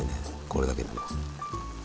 これだけでも。